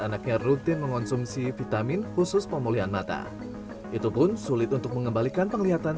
anaknya rutin mengonsumsi vitamin khusus pemulihan mata itu pun sulit untuk mengembalikan penglihatan